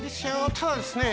ただですね